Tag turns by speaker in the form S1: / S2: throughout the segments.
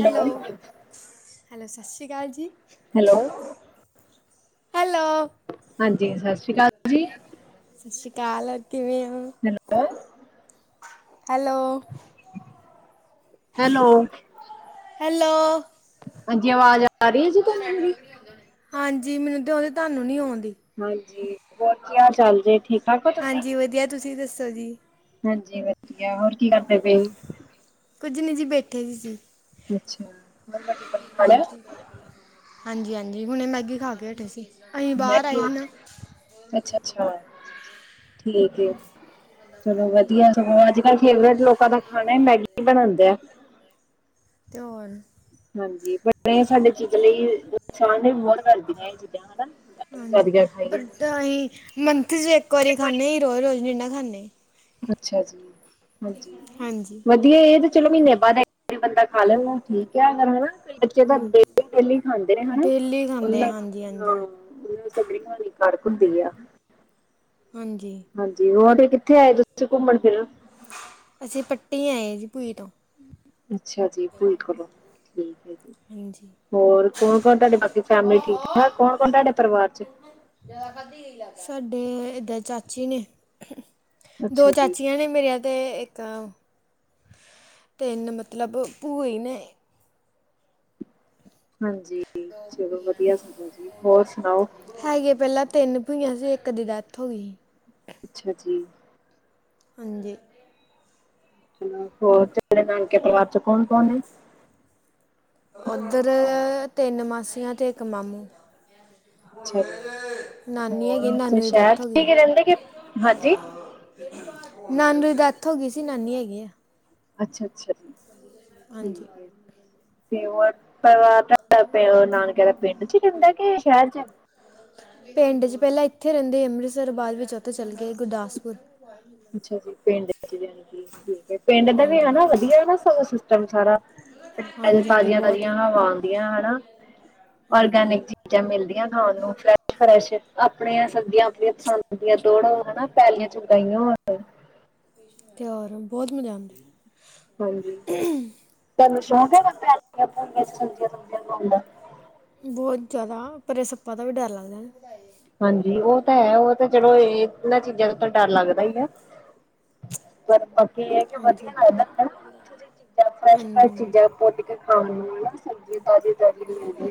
S1: Hello, hello ਸ਼੍ਰੀ ਕਾਲ ਜੀ।
S2: ਹੈਲੋ
S1: ਹੈਲੋ
S2: ਹਾਂਜੀ ਸਤਿ ਸ੍ਰੀ ਅਕਾਲ ਜੀ।
S1: ਸ਼੍ਰੀ ਕਾਲ ਹੋਰ ਕਿਵੇਂ ਓ,
S2: ਹੈਲੋ
S1: ਹੈਲੋ
S2: [inaudible] ਹੈਲੋ
S1: ਹੈਲੋ
S2: ਹਾਂਜੀ ਆਵਾਜ਼ ਆ ਰੀ ਆ ਜੀ ਤੁਹਾਨੂੰ ਮੇਰੀ?
S1: ਹਾਂਜੀ ਮੈਨੂੰ 'ਤੇ ਆਂਦੀ ਤੁਹਾਨੂੰ ਨੀ ਆਉਂਦੀ।
S2: ਹਾਂਜੀ ਹੋਰ ਕੀ ਹਾਲ-ਚਾਲ ਜੇ ਠੀ?
S1: ਹਾਂਜੀ ਵਧੀਆ ਤੁਸੀਂ ਦੱਸੋ ਜੀ?
S2: ਹਾਂਜੀ, ਵਧੀਆ ਹੋਰ ਕੀ ਕਰਦੇ ਪੇ ਹੀ?
S1: ਕੁੱਝ ਨੀ ਜੀ ਬੈਠੇ ਈ ਸੀ।
S2: ਅੱਛਾ! ਰੋਟੀ ਪਾਣੀ ਖਾ ਲਿਆ?
S1: ਹਾਂਜੀ, ਹਾਂਜੀ-ਹਾਂਜੀ ਹੁਨੇ ਮੈਗੀ ਖਾ ਕੇ ਹਟੇ ਸੀ। ਅਹੀ ਬਾਰ ਆਏ ਹੀ ਨਾ‌।
S2: ਅੱਛਾ-ਅੱਛਾ, ਠੀਕ ਏ ਚਲੋ
S1: ਹਾਂਜੀ
S2: ਵਧੀਆ ਅੱਜ-ਕਲ ਫੇਵਰੇਟ ਲੋਕਾਂ ਦਾ ਖਾਣਾ ਮੈਗੀ ਬਣਨ ਦੇਆ।
S1: ਤੇ ਹੋਰ।
S2: ਹਾਂਜੀ, ਬਨੇ ਸਾਡੇ ਚੀਜ਼ ਲਈ ਨੁਕਸਾਨ ਏ ਬੋਤ ਕਰਦੀਆਂ ਇਹ ਚੀਜ਼ਾਂ ਹਨਾ।
S1: ਹਾਂਜੀ,
S2: ਜ਼ਿਆਦੀਆਂ
S1: ਪਰ
S2: ਖਾਈਏ
S1: ਅਹੀ ਮੰਥ 'ਚ ਇੱਕ ਵਾਰੀ ਖਾਂਨੇ ਈ ਰੋਜ਼-ਰੋਜ ਨੀ ਨਾ ਖਾਂ ਨੇ।
S2: ਅੱਛਾ ਜੀ, ਹਾਂਜੀ
S1: ਹਾਂਜੀ
S2: ਵ ਜੀ ਇਹ ਤੇ ਚਲੋ ਬੀ ਮੀਨੇ ਬਾਅਦ ਇਕ ਵਾਰੀ ਬੰਦਾ ਖਾ ਲੈਦਾ ਠੀਕ ਐ ਅਗਰ ਹਨਾ ਬੱਚੇ ਤਾਂ
S1: ਹਾਂਜੀ,
S2: ਡੇਲੀ-ਡੇਲੀ ਖਾਂਦੇ ਨੇ ਹਨਾ
S1: ਡੇਲੀ ਖਾਂਦੇ
S2: ਉਨਾ,
S1: ਹਾਂਜੀ ਹਾਂਜੀ
S2: ਹਾਂ। [inaudible] ਗ੍ਰੀਨ ਵਾਲੀ ਘਰ ਖੁੰਦੀ ਆ।
S1: ਹਾਂਜੀ।
S2: ਹਾਂਜੀ, ਹੋਰ ਫੇਰ ਕਿੱਥੇ ਆਏ ਤੁਸੀਂ ਘੁੰਮਨ-ਫਿਰਨ?
S1: ਅਸੀਂ ਪੱਟੀ ਆਏ ਆ ਜੀ ਪੂਈ ਤੋਂ।
S2: ਅੱਛਾ, ਜੀ ਪੂਈ ਕੋਲੋ ਠੀਕ ਐ ਜੀ।
S1: ਹਾਂਜੀ
S2: ਹੋਰ ਕੌਣ-ਕੌਣ ਤੁਹਾਡੀ ਬਾਕੀ ਫੈਮਲੀ ਠੀਕ-ਠਾਕ ਕੌਣ-ਕੌਣ ਤੁਹਾਡੇ ਪਰਿਵਾਰ 'ਚ?
S1: ਸਾਡੇ ਏਧਰ ਚਾਚੇ ਨੇ ਦੋ
S2: ਅੱਛਾ ਜੀ,
S1: ਚਾਚੀਆਂ ਨੇ ਮੇਰੀਆਂ ਤੇ ਇੱ ਕ, ਤਿੰਨ ਮਤਲਬ ਪਈ ਨੇ।
S2: ਹਾਂਜੀ ਚਲੋ ਵਧੀਆ ਸਗੋਂ ਜੀ ਹੋਰ ਸੁਣਾਓ?
S1: ਹੈਗੇ ਪਹਿਲਾਂ ਤਿੰਨ ਭੂਈਆ ਸੀ ਇੱਕ ਦੀ ਡੈਥ ਹੋਗੀ‌ ਹੀ।
S2: ਅੱਛਾ ਜੀ।
S1: ਹਾਂਜੀ‌।
S2: ਹੋਰ ਤੇੇ ਨਾਨਕੇ ਪਰਿਵਾਰ ਚ ਕੌਨ-ਕੌਨ ਏ?
S1: ਓਧਰ ਤਿੰਨ ਮਾਸੀਆਂ ਤੇ ਇੱਕ ਮਾਮੂ।
S2: ਅੱਛਾ ਜੀ।
S1: ਨਾਨੀ
S2: ਹੋਰ
S1: ਹੈਗੀ
S2: ਉੱਥੇ
S1: ਨਾਨੂੰ ਦੀ
S2: ਸ਼ਹਿਰ
S1: ਡੈਥ
S2: ਚ
S1: ਹੋ ਗੀ।
S2: ਹੀ ਰਹਿੰਦੇ ਕਿ ਹਾਂਜੀ
S1: ਨਾਨੂ ਦੀ ਡੈਥ ਹੋਗੀ ਸੀ ਨਾਨੀ ਹੈਗੀ ਐ।
S2: ਅੱਛਾ-ਅੱਛਾ ਜੀ
S1: ਹਾਂਜੀ
S2: ਠੀਕ ਏ 'ਤੇ ਪਰਿਵਾਰ ਤੇ ਨਾਨਕਿਆ ਦਾ ਪਿੰਡ 'ਚ ਹੁੰਦਾ ਕੇ ਸ਼ਹਿਰ 'ਚ।
S1: ਪਿੰਡ 'ਚ ਪਹਿਲਾਂ ਇੱਥੇ ਰਹਿੰਦੇ ਅੰਮ੍ਰਿਤਸਰ ਬਾਦ ਵਿੱਚ ਓਥੇ ਚਲ ਗੇ ਗੁਰਦਾਸਪੁਰ।
S2: ਅੱਛਾ ਜੀ ਪਿੰਡ ਚ ਯਾਨੀ ਕੀ ਠੀਕ ਪਿੰਡ ਦਾ ਵੀ
S1: ਹਾਂਜੀ
S2: ਹਨਾ ਵਧੀਆ ਨਾ ਸਿਸਟਮ ਸਾਰਾ।
S1: ਹਾਂਜੀ ਹਾਂਜੀ
S2: ਤਾਜ਼ੀਆਂ-ਤਾਜ਼ੀਆਂ ਹਵਾ ਆਂਦੀਆਂ ਹਨਾ।
S1: ਹੂੰ।
S2: ਕੈ ਨੇ ਚੀਜ਼ਾਂ ਮਿਲਦੀਆਂ ਖਾਣ ਨੂੰ ਫਰੈਸ਼-ਫਰੈਸ਼ ਆਪਣੀਆਂ ਸਬਜ਼ੀਆਂ ਆਪਣੀਆਂ ਪਸੰਦ ਦੀਆਂ ਤੋੜੋ ਹਨਾ। ਪੈਲੀਆ ਚ ਓਗਾਇਆ ਹੁਣ
S1: ਤੇ ਓਰ ਬੋਤ ਮਜ਼ਾ ਆਂਦਾ।
S2: ਹਾਂਜੀ, ਤਾਂਨੂ ਸ਼ੌਂਕ ਅ ਪੂੰਡੇ ਚ ਸਬਜੀਆਂ ਲਾਉਣ ਦਾ
S1: ਬਹੁਤ ਜ਼ਿਆਦਾ ਪਰੇ ਸੱਪਾ ਦਾ ਵੀ ਡਰ ਲੱਗਦਾ ਨਾ,,
S2: ਹਾਂਜੀ, ਉਹ ਤਾਂ ਹੈ ਉਹ ਤਾਂ ਚਲੋ ਇਨਾਂ ਚੀਜ਼ਾਂ ਤੋਂ ਤਾਂ ਡਰ ਲੱਗਦਾ ਇ ਐ।, [unintelligible] ਏ ਅ ਕਿ
S1: ਹਾਂਜੀ
S2: ਵਧੀਆ ਲੱਗਦਾ ਹਨਾ ਓਥੇ ਦੀਆਂ ਚੀਜ਼ਾਂ ਫਰੈਸ਼ ਫਰੈਸ਼ ਚੀਜ਼ਾਂ
S1: ਹਾਂਜੀ
S2: ਪੁੱਟ ਕੇ ਖਾਣ ਨੂੰ ਨਾ। ਹਾਂਜੀ ਤਾਜ਼ੀ ਤਾਜ਼ੀ ਮਿਲਦੀਆ,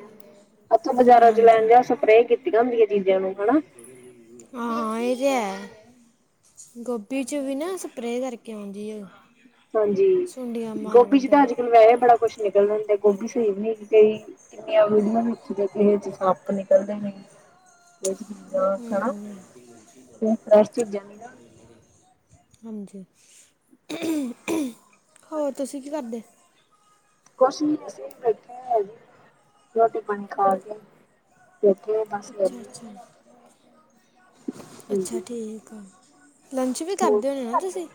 S2: ਅੱਛਾ ਬਾਜ਼ਾਰਾਂ ਚ ਲੈਣ
S1: ਹਾਂਜੀ
S2: ਜਾਓ ਸਪਰੇ ਕੀਤੀਆਂ ਹੁੰਦੀਆਂ। ਦੁਜੀਆਂ ਨੂੰ ਹਨਾ
S1: ਹਾਂ ਏਹ ਤੇ ਹੈ। ਗੋਭੀ ਚ ਵੀ ਨਾ ਸਪਰੇ ਕਰਨ ਕੇ ਆਉਂਦੀ ਏ।
S2: ਹਾਂਜੀ, ਗੋਭੀ ਜੀ ਤਾਂ ਅੱਜ ਕੱਲ ਵੈਹੇ ਬੜਾ ਕੁਛ ਨਿਕਲਦੇ ਨੇ ਜੇ ਗੋਭੀ ਸਈ ਨੀ ਹੈਗੀ ਤੇਈ ਕਿੰਨੀਆਂ ਵੀਡੀਓ ਵਿੱਚ ਦੇਖੀ ਏਚ ਸੱਪ ਨਿਕਲਦੇ ਨੇ [unintelligible]
S1: ਹੂੰ
S2: ਫਰੈਸ਼ ਚੀਜ਼ਾਂ ਨਈ ਨਾ।
S1: ਹਾਂਜੀ,
S2: ਅੱਜ
S1: ਹੋਰ
S2: ਕੱਲ
S1: ਤੁਸੀਂ ਕੀ ਕਰਦੇ?
S2: ਤੇ ਕੁਛ ਨੀਂ ਅਸੀਂ ਬੈਠੇ ਹਾਂ ਜੀ ਰੋਟੀ-ਪਾਨੀ ਖਾ ਕੇ ਬੈਠੇ ਬਸ ਵੇਲੇ
S1: ਅੱਛਾ-ਅੱਛਾ, ਅੱਛਾ
S2: ਹਾਂਜੀ।
S1: ਠੀਕ ਆ। ਲੰਚ ਵੀ
S2: ਹੋਰ
S1: ਕਰਦੇ ਹੋਨੇ ਨਾ ਤੁਸੀਂ?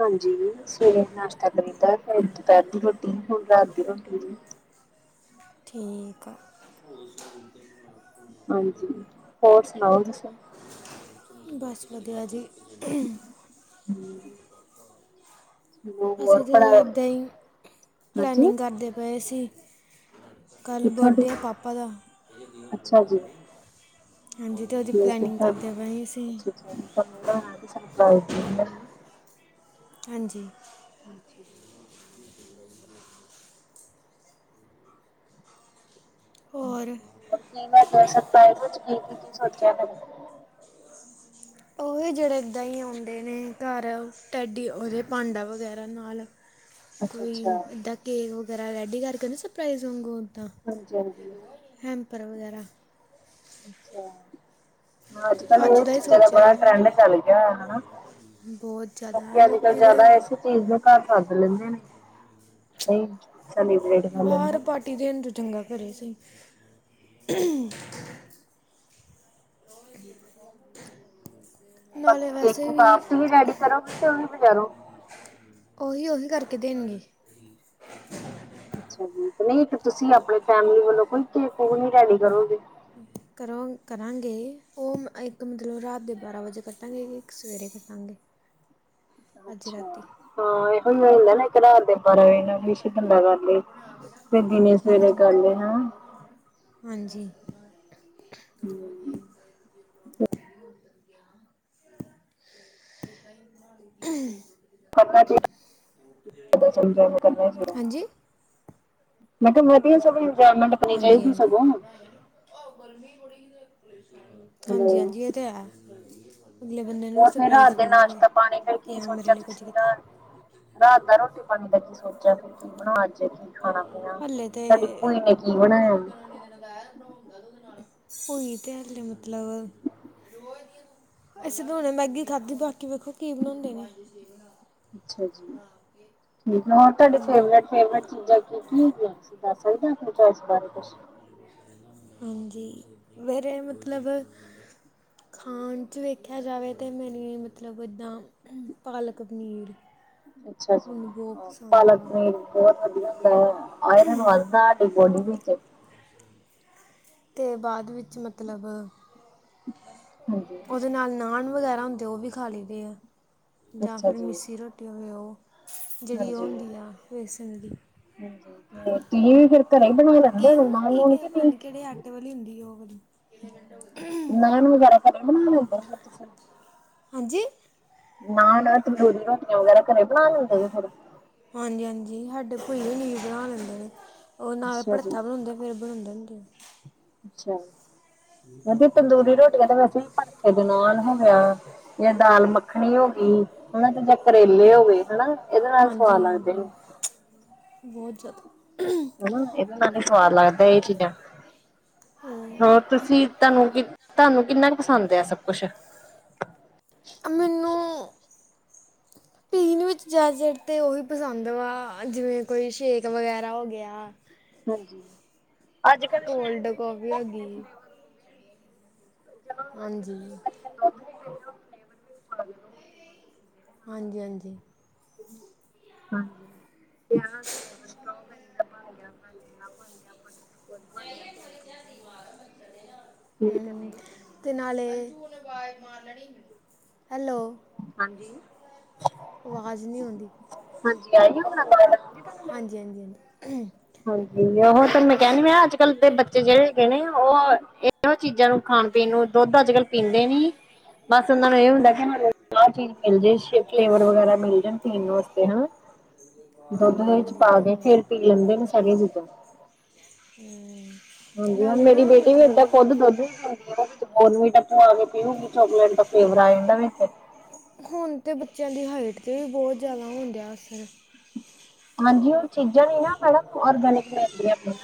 S2: ਹਾਂਜੀ ਸਵੇਰੇ ਨਾਸ਼ਤਾ ਕਰੀਦਾ ਫੇਰ ਦੁਪੈਰ ਦੀ ਰੋਟੀ ਹੁਣ ਰਾਤ ਦੀ ਰੋਟੀ।
S1: ਠੀਕ ਆ।
S2: ਹਾਂਜੀ, ਹੋਰ ਸੁਣਾਓ ਤੁਸੀ?
S1: ਬਸ ਵਧੀਆ ਜੀ।
S2: ਹਮ, ਚਲੋ
S1: [unintelligible]
S2: ਹੋਰ
S1: ਅਸੀਂ ਜਿਵੇ
S2: ਪੜ੍ਹਾ
S1: ਏਦਾਂ ਈ
S2: ਹਾਂਜੀ
S1: ਪਲੈਨਿੰਗ ਕਰਦੇ ਪਏ ਸੀ। ਕੱਲ
S2: ਕਿੱਥੋਂ ਦੀ
S1: ਬਰਡੇ ਆ ਪਾਪਾ ਦਾ।
S2: ਅੱਛਾ ਜੀ।
S1: ਹਾਂਜੀ ਤੇ ਓਦੀ
S2: ਠੀਕ
S1: ਪਲੈਨਿੰਗ
S2: ਹੈ।
S1: ਕਰਦੇ ਪਏ ਸੀ।
S2: [unintelligible] ਸਰਪ੍ਰਾਈਜ਼ ਦਿੰਨੇ ਆ।
S1: ਹਾਂਜੀ।
S2: ਹਾਂਜੀ।
S1: [inaudible] ਹੋਰ?
S2: [unintelligible] ਸਰਪ੍ਰਾਈਜ਼ ਵਿੱਚ ਕੀ ਕੀ ਸੋਚਿਆ ਫੇਰ?
S1: ਓਹੀ ਜਿੜੇ ਏਦਾਂ ਈ ਓਂਦੇ ਨੇ ਕਾੱਰ ਟੈਡੀ ਓਦੇ ਪਾਂਡਾ ਵਗੈਰਾ ਨਾਲ ਕੋਈ
S2: ਅੱਛਾ-ਅੱਛਾ।
S1: ਏਦਾਂ ਕੇਕ ਵਗੈਰਾ ਰੈਡੀ ਕਰਕੇ ਸਰਪ੍ਰਈਜ਼ ਵਾਂਗੂ ਤਾਂ,
S2: ਹਾਂਜੀ-ਹਾਂਜੀ।
S1: ਹੈਪਰ ਵਗੈਰਾ।
S2: ਅੱਛਾ। ਅੱਜ-ਕੱਲ
S1: ਅੱਜ
S2: ਏ
S1: ਹੀ
S2: ਚੀਜ਼ਾਂ ਦਾ
S1: ਸੋਚਿਆ
S2: ਬੜਾ ਟਰੈਂਡ
S1: ਹੈ।
S2: ਚੱਲ ਗਿਆ ਹੋਯਾ ਹਨਾ।
S1: ਬਹੁਤ ਜ਼ਿਆਦਾ
S2: ਬਾਕੀ ਅੱਜ-ਕੱਲ
S1: ਲੋਕੀ ਦੇ
S2: ਜਾਦਾ ਏਸੇ ਚੀਜ਼ ਨੂੰ ਕਾੱਰ ਸੱਦ ਲੈਂਦੇ ਨੇ। ਦਈ, ਸੈਲੀਬ੍ਰੇਟ ਕਰ ਲੈਨਾਂ।
S1: ਤੇ ਪਾਰਟੀ ਦੇਣ ਤੋ ਚੰਗਾ ਕਰੇ ਸਈ।
S2: ਹੂੰ।
S1: ਨਾਲੇ ਵੈਸੇ
S2: [unintelligible]
S1: ਵੀ
S2: ਆਪ ਈ ਰੈਡੀ ਕਰੋਗੇ ਕਿ ੳਵੀ ਬਾਜ਼ਾਰੋ।
S1: ਓਹੀ-ਓਹੀ ਕਰਕੇ ਦੇਣਗੇ।
S2: ਅੱਛਾ ਜੀ ਤੇ ਨਈ ਏਕ ਤੁਸੀਂ ਆਪਣੇ ਫੈਮਿਲੀ ਵੱਲੋਂ ਕੋਈ ਕੇਕ ਕੂਕ ਨੀ ਰੈਡੀ ਕਰੋਗੇ?
S1: ਕਰੋਂ ਕਰਾਂਗੇ ਓ ਗਕ ਮਤਲਬ ਰਾਤ ਦੇ ਬਾਰ੍ਹਾਂ ਵਜੇ ਕੱਟਾਂਗੇ ਕੇਕ ਏਕ ਸਵੇਰੇ ਕੱਟਾਂਗੇ। ਅੱਜ
S2: ਅੱਛਾ,
S1: ਰਾਤੀ
S2: ਹਾਂ ਏਹੋ ਈ ਹੂੰਦੇ ਨੇ ਏਕ ਰਾਤ ਦੇ ਬਾਰਾਂ ਵਜੇ ਨਾਲ ਵਿਸ਼ ਬੰਦਾ ਕਰ ਲਏ, ਫੇਰ ਦਿਨੇ ਸਵੇਰੇ
S1: ਹਾਂਜੀ
S2: ਕਰ ਲਏ ਹੈਂ।
S1: ਹਾਂਜੀ। [unintelligible]
S2: ਕਰਨਾ ਚਾਈਦਾ, [unintelligible] ਕਰਨਾ ਚਾਈਦਾ
S1: ਹਾਂਜੀ
S2: ਮਤਲਬ ਵਧੀਆ ਸਗੋਂ ਇੰਜੋਏਮੈਂਟ ਆਪਣੀ ਚਾਈਦੀ
S1: ਹਾਂਜੀ
S2: ਸਗੋਂ। ਹਲੋ
S1: ਹਾਂਜੀ ਹਾਂਜੀ ਏਹ ਤੇ ਹੈ। ਅਗਲੇ ਬੰਦੇ ਨੂੰ ਵੀ
S2: ਉਹ ਫਿਰ
S1: ਸਰਪਰਾਈਜ਼
S2: ਰਾਤ ਦੇ
S1: ਫੀਲ ਹੋਵੇ
S2: ਨਾਸ਼ਤਾ ਪਾਣੀ ਫਿਰ
S1: ਕਿ
S2: ਕੀ
S1: ਹਾਂ
S2: ਸੋਚਿਆ
S1: ਮੇਰੇ ਲਈ ਕੁਝ
S2: ਤੁਸੀਂ ਨਾ
S1: ਕੀਤਾ।
S2: ਰਾਤ ਦਾ ਰੋਟੀ ਪਾਣੀ ਦਾ ਕੀ ਸੋਚਿਆ ਫੇਰ। [unintelligible] ਅੱਜ ਕੀ ਖਾਣਾ ਪੀਣਾ ਸਾਡੀ ਭੂਈ ਨੇ ਕੀ ਬਣਾਇਆ।
S1: [unintelligible] ਉਹੀ ਤੇ [unintelligible] ਮਤਲਬ ਅਸੀਂ ਤੇ ਹੁਣੇ ਮੈਗੀ ਖਾਧੀ ਬਾਕੀ ਵੇਖੋ ਕੀ ਬਣਾਉਂਦੇ ਨੇ।
S2: ਅੱਛਾ ਜੀ ਠੀਕ ਹੋਰ ਤੁਹਾਡੇ
S1: ਹੂੰ
S2: ਫੇਵਰੇਟ ਫੇਵਰੇਟ ਚੀਜ਼ਾਂ ਕੀ ਕੀ ਤੁਸੀਂ ਦੱਸ ਸਕਦੇ ਹੋ ਆਪਣੀ ਚੋਇਸ ਬਾਰੇ ਕੁਛ
S1: ਹਾਂਜੀ ਵੀਰੇ ਮਤਲਬ ਖਾਣ ਚ ਵੇਖਿਆ ਜਾਵੇ ਤੇ ਮੈਨੂੰ ਮਤਲਬ ਇੱਦਾਂ ਪਾਲਕ ਪਨੀਰ।
S2: ਅੱਛਾ ਜੀ
S1: ਮੈਨੂੰ ਬਹੁਤ ਪਸੰਦ
S2: ਪਾਲਕ
S1: ਵਾ
S2: ਪਨੀਰ। ਬਹੁਤ ਵਧੀਆ ਹੁੰਦਾ ਏ ਆ ਆਇਰਨ ਵਧਦਾ ਸਾਡੀ ਬੋਡੀ ਵਿੱਚ
S1: ਤੇ ਬਾਅਦ ਵਿੱਚ ਮਤਲਬ
S2: ਹਾਂਜੀ।
S1: ਉਹਦੇ ਨਾਲ ਨਾਨ ਵਗੈਰਾ ਹੁੰਦੇ ਉਹ ਵੀ ਖਾ ਲਈਦੇ ਐ, ਜਾਂ
S2: ਅੱਛਾ
S1: ਫੇਰ
S2: ਜੀ
S1: ਮਿੱਸੀ ਰੋਟੀ ਹੋਵੇ ਉਹ। ਜਿਹੜੀ ਉਹ
S2: ਹਾਂਜੀ
S1: ਹੁੰਦੀ ਆ ਵੇਸਣ ਦੀ।
S2: [unintelligible] ਲੈਂਦੇ ਹੋ
S1: ਗੇਹੂੰ
S2: ਨਾਨ
S1: ਕੀ
S2: ਨੂਨ ਕੇ
S1: ਪਤਾ
S2: ਨਹੀਂ
S1: ਨੀ ਕਿਹੜੇ ਆਟੇ ਵਾਲੀ ਹੁੰਦੀ ਓ ਵਾਲੀ
S2: ਨਾਨ ਵਗੈਰਾ ਘਰੇ ਹੀ ਬਣਾ ਲੈਣੇ ਹੋ ਫੇਰ ਤੁਸੀਂ
S1: ਹਾਂਜੀ।
S2: ਨਾਨ, ਤੰਦੂਰੀ ਰੋਟੀਆਂ ਵਗੈਰਾ ਘਰੇ ਬਣਾ ਲੈਂਦੇ [unintelligible]
S1: ਹਾਂਜੀ ਹਾਂਜੀ ਸਾਡੇ ਭੂਈ ਹੁਣੀ ਬਣਾ ਲੈਂਦੇ ਨੇ ਉਹ ਨਾਲ
S2: ਅੱਛਾ ਜੀ
S1: ਭੜਥਾ ਬਣਾਉਂਦੇ। ਫਿਰ ਬਣਾਉਂਦੇ ਹੁੰਦੇ।
S2: ਅੱਛਾ। ਵਧੀਆ ਤੰਦੂਰੀ ਰੋਟੀਆਂ ਤਾਂ ਵੈਸੇ ਵੀ ਭੜਥੇ ਦੇ ਨਾਲ ਹੋ ਗਿਆ ਜਾਂ
S1: [unintelligible]
S2: ਦਾਲ ਮੱਖਣੀ ਹੋ ਗਈ ਹਨਾ ਤੇ ਜਾਂ ਕਰੇਲੇ ਹੋ ਗਏ ਹਨਾ ਇਹਦੇ ਨਾਲ
S1: ਹਾਂਜੀ
S2: ਸਵਾਦ ਲੱਗਦੇ ਨੇ।
S1: ਹਾਂਜੀ ਬਹੁਤ ਜਿਆਦਾ।
S2: ਹੈਨਾ ਇਹਦੇ ਨਾਲ ਹੀ ਸਵਾਦ ਲੱਗਦਾ ਇਹ ਚੀਜ਼ਾਂ, ਹੋਰ ਤੁਸੀਂ ਤੁਹਾਨੂੰ ਕਿ ਤੁਹਾਨੂੰ ਕਿੰਨਾ ਕ ਪਸੰਦ ਏ ਆ ਸਭ ਕੁਛ।
S1: ਮੈਨੂੰ
S2: ਹ।
S1: ਪੀਣ ਵਿੱਚ ਜ਼ਿਆਦਾਤਰ ਤੇ ਉਹੀ ਪਸੰਦ ਵਾ ਜਿਵੇਂ ਕੋਈ ਸ਼ੇਕ ਵਗੈਰਾ ਹੋ ਗਿਆ।
S2: ਹਾਂਜੀ। ਅੱਜ ਕੱਲ ਸ਼ਹਿਰ
S1: ਕੋਲਡ
S2: ਵਿੱਚ
S1: ਕਾਫ਼ੀ ਹੋਗੀ।
S2: ਕਿੰਨੇ ਜਦੋਂ ਅੱਜ ਕੱਲ੍ਹ
S1: ਹਾਂਜੀ।
S2: ਕਈ ਬੱਚੇ ਦੁੱਧ ਵੀ ਪੀਂਦੇ ਉਹ ਫਲੇਵਰ ਵਿੱਚ ਪਾ ਕੇ ਦੁੱਧ ਪੀਂਦੇ ਨੇ
S1: ਹਾਂਜੀ-ਹਾਂਜੀ।
S2: ਹਾਂਜੀ [inaudible]
S1: ਹਮ
S2: [inaudible]
S1: ਤੇ ਨਾਲੇ, ਹੈਲੋ।
S2: ਹਾਂਜੀ,
S1: ਆਵਾਜ਼ ਨਹੀਂ ਆਉਂਦੀ
S2: ਹਾਂਜੀ [unintelligible]
S1: ਹਾਂਜੀ, ਹਾਂਜੀ, ਹਾਂਜੀ।
S2: ਹਾਂਜੀ ਉਹੋ ਤੈਨੂੰ ਮੈਂ ਕਹਿ ਨੀ
S1: ਖਾਣ
S2: ਮੈਂ ਅੱਜ ਕੱਲ ਤੇ ਬੱਚੇ ਜਿਹੜੇ ਹੈਗੇ ਨੇ ਉਹ ਇਹੋ ਚੀਜ਼ਾਂ ਨੂੰ ਖਾਣ ਪੀਣ ਨੂੰ ਦੁੱਧ ਅੱਜ ਕੱਲ ਪੀਂਦੇ ਨੀ। ਬਸ ਓਨਾਂ ਨੂੰ ਏ ਹੁੰਦਾ ਚੀਜ ਮਿਲ ਜੇ, ਅੱਛੇ ਫਲੇਵਰ ਵਗੈਰਾ ਮਿਲ ਜਾਣ ਪੀਣ ਵਾਸਤੇ ਨਾ। ਦੁੱਧ ਦੇ
S1: ਹਾਂਜੀ
S2: ਵਿੱਚ
S1: ਹਾਂਜੀ
S2: ਪਾ
S1: ਤੇ
S2: ਕੇ
S1: ਹੋਰ
S2: ਫੇਰ ਪੀ ਲੈਂਦੇ ਨੇ। ਸਾਰੀਆਂ ਚੀਜ਼ਾਂ
S1: ਹਮ
S2: ਹਾਂਜੀ, ਹੁਣ
S1: ਨਾਲੇ
S2: ਮੇਰੀ
S1: ਨਾ
S2: ਬੇਟੀ ਵੀ ਏਦਾਂ
S1: ਮਤਲਬ
S2: ਖੁਦ ਦੁੱਧ ਨੀਂ ਪੀਂਦੀ। ਓ ਵਿੱਚ ਬੋਨਵੀਟਾ ਪਾਕੇ ਪੀਊਗੀ, ਚੋਕਲੇਟ ਦਾ ਫਲੇਵਰ ਆ ਜਾਂਦਾ ਵਿੱਚ।
S1: ਹੁਣ ਤੇ ਬੱਚਿਆਂ ਦੀ ਹਾਈਟ 'ਤੇ ਵੀ ਬੋਤ ਜਾਦਾ ਹੁੰਦੇਆ ਅਸਰ।
S2: ਹਾਂਜੀ, ਹੋਨ ਚੀਜਾਂ ਨੇ ਨਾ ਮੈਡਮ ਔਰਗੈਨਿਕ ਮਿਲਦੀਆਂ ਕੋਈ।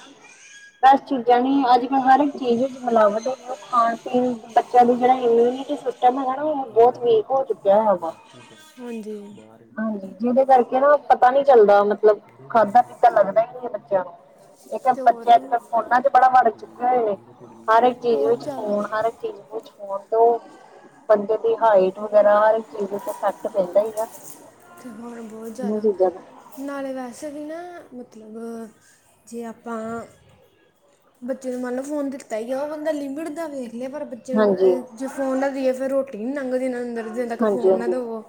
S2: ਦੱਸ ਚੀਜਾਂ ਨੀ ਅੱਜ ਕੱਲ ਹਰ ਚੀਜ ਵਿੱਚ ਮਿਲਾਵਟ ਏਨੀ ਏ ਓ ਖਾਣ-ਪੀਣ ਬੱਚਿਆਂ ਦੀ ਜੇੜਾ ਇਮਿਊਨਿਟੀ ਸੀਸ ਟਮ ਹੈਗਾ ਨਾਂ ਓ ਬੋਤ ਵੀਕ ਹੋ ਚੁੱਕਿਆ ਹੈਗਾ ਵਾ।
S1: ਹਾਂਜੀ।
S2: ਹਾਂਜੀ, ਜਿਦੇ ਕਾਰਕੇ ਨਾ ਪਤਾ ਨੀ ਚੱਲਦਾ ਮਤਲਬ ਖਾਧਾ-ਪੀਤਾ ਲੱਗਦਾ ਈ ਨੀ ਐ ਬੱਚਿਆਂ ਨੂੰ। ਏਕ ਐ
S1: ਤੇ
S2: ਬੱਚੇ
S1: ਹੋਰ
S2: ਅੱਜ-ਕੱਲ ਫੋਨਾ ਚ ਬੜਾ ਵੜ ਚੁੱਕੇ ਹੋਏ ਨੇ, ਹਰ ਇੱਕ ਚੀਜ਼
S1: ਬਹੁਤ
S2: ਵਿੱਚ ਫੋਨ
S1: ਜ਼ਿਆਦਾ
S2: ਹਰ ਚੀਜ ਨੂੰ ਛੋੜ ਦੋ, ਬੰਦੇ ਦੀ ਹਾਈਟ ਵਗੈਰਾ ਹਰ ਇੱਕ ਚੀਜ ਉੱਤੇ ਇਫੈਕਟ ਪੈਂਦਾ ਈਆ।
S1: ਹਾਂ ਬੋਤ ਜਾਦਾ। ਨਾਲੇ ਵੈਸੇ ਵੀ ਨਾ ਮਤਲਬ, ਜੇ ਆਪਾਂ ਬੱਚੇ ਨੂੰ ਮੰਨ ਲਓ ਫੋਨ ਦਿੱਤਾ ਈਐ, ਓ ਬੰਦਾ ਲਿਮਿਟ ਦਾ ਵੇਖ ਲੇ ਪਰ
S2: ਹਾਂਜੀ
S1: ਜੇ ਫੋਨ ਨਾ ਦਈਏ, ਫੇਰ ਰੋਟੀ ਨਈਂ ਲੰਘਦੀ ਅੰਦਰ ਜਿੰਨਾ ਚੇਰ ਤੱਕ ਫੋਨ ਨਾ ਦੇਵੋ।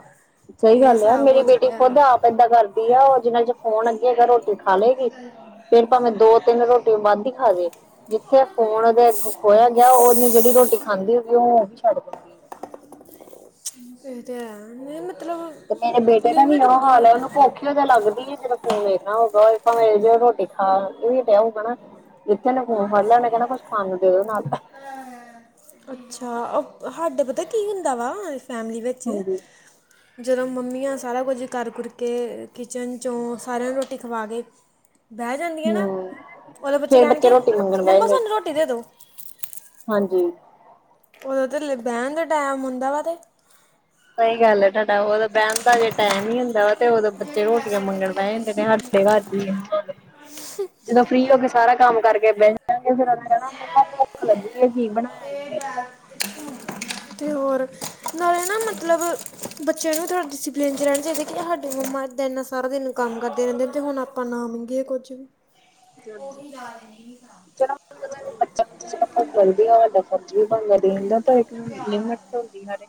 S2: ਸਈ
S1: ਇਹ
S2: ਗੱਲ ਯਾ,
S1: ਹਿਸਾਬ
S2: ਮੇਰੀ
S1: ਹੋ
S2: ਬੇਟੀ
S1: ਚੁੱਕਿਆ
S2: ਖੁੱਦ ਆਪ ਏਦਾਂ ਕਰਦੀ ਆ, ਓ ਜਿਨਾਂ ਚੇਰ ਫੋਨ ਅੱਗੇ ਰੋਟੀ ਖਾ ਲਏਗੀ। ਫੇਰ ਭਾਵੇਂ ਦੋ-ਤਿੰਨ ਰੋਟੀਆਂ ਵੱਧ ਈ ਖਾਵੇ, ਜਿੱਥੇ ਫੋਨ ਓਦੇ ਅਗੋ ਖੋਇਆ ਜਾਂ ਓ ਜੇੜੀ ਰੋਟੀ ਖਾਂਦੀ ਹੋਵੇ, ਓ ਵੀ ਛੱਡ ਦਿੰਦੀ ਐ।
S1: ਏ ਤੇ ਐ ਮਤਲਬ
S2: ਤੇ ਮੇਰੇ ਬੇਟੇ ਦਾ ਵੀ
S1: ਲਿਮਿਟ
S2: ਓ
S1: ਹੁੰਦੀ ਆ
S2: ਹਾਲ ਐ, ਓਨੂੰ ਭੋਖ ਈ ਓਦੋ ਲਗਦੀ ਤਜਦੋਂ ਫੋਨ ਵੇਖਨਾ ਹੋਏਗਾ, ਓੰ ਭਾਵੇਂ ਜਦੋਂ ਰੋਟੀ ਖਾ ਈ ਰੇਯਾ ਹੋਊਗਾ ਨਾ ਜਿੱਥੇ ਓਨੇ ਫੋਨ ਫੜ ਲਿਆ ਨਾਂ, ਓਨੇ ਕੈਣਾ ਬਸ ਪਾਣੀ ਦੇਦੋ ਨਾਲ।
S1: ਅੱਛਾ, ਹਾਡੇ ਪਤਾ ਕੀ ਹੁੰਦਾ ਵਾ, ਫੈਮਲੀ ਵਿੱਚ
S2: ਹਾਂਜੀ
S1: ਜਦੋਂ ਮੰਮੀਆਂ ਸਾਰਾ ਕੁਝ ਕਰ ਕੁੁਰ ਕੇ ਕਿਚਨ 'ਚੋਂ ਸਾਰਿਆਂ ਨੂੰ ਰੋਟੀ ਖਵਾ ਕੇ
S2: [inaudible]
S1: ਬੈਹ ਜਾਨ
S2: ਹੂੰ ਫੇਰ ਬੱਚੇ ਰੋਟੀ ਮੰਗਣ ਬੈਹ
S1: ਮੰਮਾ
S2: ਜਾਦੇ,
S1: ਸਾਨੂੰ ਰੋਟੀ ਦੇ ਦਿਉ
S2: ਹਾਂਜੀ।
S1: ਓਦੋਂ ਤੇ ਬੈਂਣ ਦਾ ਟੈਮ ਹੁੰਦਾ ਵਾ ਤੇ।
S2: ਸਈ ਗੱਲ ਐ, ਤੂਆਡਾ ਓਦੋ ਬੈਂਣ ਦਾ ਅਜੇ ਟੈਮ ਈ ਹੁੰਦਾ। ਵਾ ਤੇ ਓਦੋਂ ਬੱਚੇ ਰੋਟੀਆਂ ਮੰਗਣ ਬੈ ਜਾਂਦੇ ਨੇ ਸਾਡੇ ਘਰ ਵੀ। ਜਦੋਂ ਫ੍ਰੀ ਹੋ ਕੇ ਸਾਰਾ ਕੰਮ ਕਰਕੇ ਬੈਹ ਜਾਂਗੇ, ਫੇਰ ਕੈਣਾ ਮੱਮਾ ਭੁੱਖ ਲੱਗੀ ਏ, ਕੀ ਬਣਾਯਾ? [inaudible]
S1: ਤੇ ਹੋਰ, ਨਾਲੇ ਨਾ ਮਤਲਬ ਬੱਚੇਆਂ ਨੂੰ ਵੀ ਥੋੜਾ ਪਰ ਰੈਣਾ ਚਾਈਦੈ ਕਿ ਹਾਡੇ ਮੰਮਾ ਏਦਾਂ ਸਾਰੇ ਦੇਨ ਕੰਮ ਕਰਦੇ ਰੈਦੇ ਨੇ ਤੇ ਹੁਣ ਆਪਾਂ ਨਾ ਮੰਗੀਏ ਕੁੱਝ। [inaudible]
S2: ਤੇ ਜੀ ਚਲੋ ਬੱਚਾ [unintelligible] ਫਰਜ ਵੀ ਬਣਦਾ ਦੇਣ ਦਾ, ਪਰ ਇੱਕ ਲਿਮਿਟ ਹੁੰਦੀ ਹਰ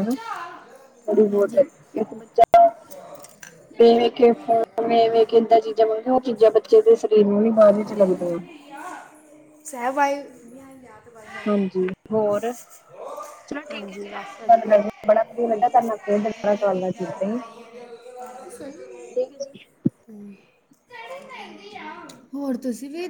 S2: ਹਨਾ, ਥੋੜ੍ਹੀ ਬੋਤ,
S1: ਹਾਂਜੀ
S2: ਇੱਕ ਬੱਚਾ ਤੇ ਵੇਖ ਫੋਨ ਵੇਖ-ਵੇਖ ਕੇ ਚੀਜਾਂ ਮੰਗਦੇ, ਓ ਚੀਜਾਂ ਬੱਚੇ ਦੇ ਸਰੀਰ ਨੂੰ ਵੀ ਬਾਦ ਵਿੱਚ ਲਗਦੀਆਂ।
S1: [unintelligible]
S2: ਹਾਂਜੀ, ਹੋਰ। ਚਲੋ ਠੀਕ
S1: ਹਾਂਜੀ
S2: ਐਜੀ ਤੁਆਡੇ
S1: ਬਸ
S2: ਨਾਲ ਗੱਲ
S1: ਵਧੀਆ
S2: ਕਰਕੇ ਬੜਾ ਵਧੀਆ ਲੱਗਿਆ, ਤਾਡੇ ਨਾਲ ਫੇਰ ਕਰਾਂਗੇ।
S1: ਸਈ
S2: ਠੀਕ ਹੈ ਜੀ
S1: ਐ। ਹੋਰ ਤੁਸੀਂ ਵੀ,